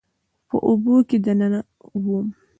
په اوبو کې دننه وم